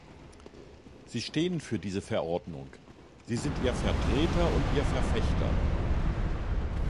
Sie stehen für diese Verordnung, Sie sind ihr Vertreter und ihr Verfechter.